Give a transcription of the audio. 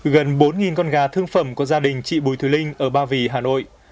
gần bốn con gà thương phẩm có gia đình chị bùi thứ linh ở ba vì hà nội